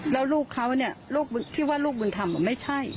แล้วลูกเขาเนี่ยลูกที่ว่าลูกบุญธรรมไม่ใช่